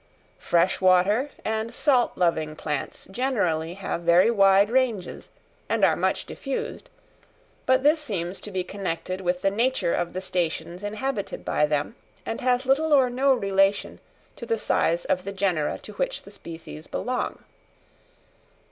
Fresh water and salt loving plants generally have very wide ranges and are much diffused, but this seems to be connected with the nature of the stations inhabited by them, and has little or no relation to the size of the genera to which the species belong.